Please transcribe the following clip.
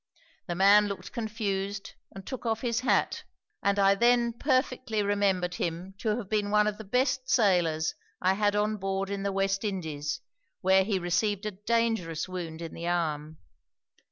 The man looked confused, and took off his hat; and I then perfectly remembered him to have been one of the best sailors I had on board in the West Indies, where he received a dangerous wound in the arm.